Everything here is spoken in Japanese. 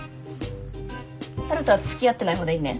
春風はつきあってないほうでいいね？